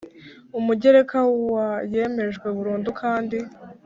Umugereka wa yemejwe burundu kandi